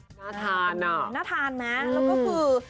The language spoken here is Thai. น่าทานอ่ะน่าทานไหมแล้วก็คือ